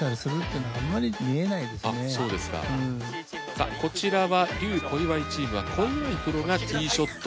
さあこちらは笠・小祝チームは小祝プロがＴｅｅショット。